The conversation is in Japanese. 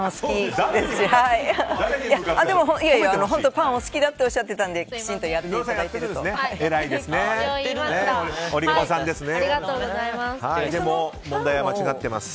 でもパンがお好きだとおっしゃっていたのできちんとやっていただいていると思います。